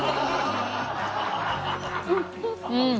うん。